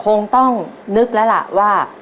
คงต้องนึกแล้วล่ะว่า